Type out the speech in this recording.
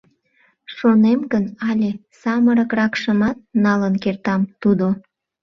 — Шонем гын, але самырыкракшымат налын кертам, тудо.